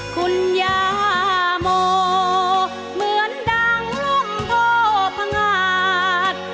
คุณยาโมเหมือนดังลุงโทพงาด